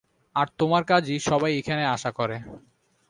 আর তোমার কাজই সবাই এখানে আশা করে।